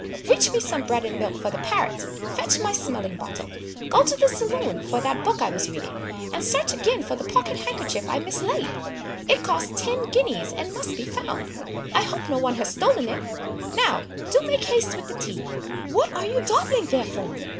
Reach me some bread and milk for the parrot, fetch my smelling bottle, go to the saloon for that book I was reading, and search again for the pocket handkerchief I mislaid. It cost ten guineas, and must be found. I hope no one has stolen it! Now do make haste with the tea! What are you dawdling there for?